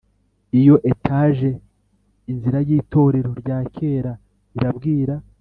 iyo etage inzira y'itorero rya kera irabwira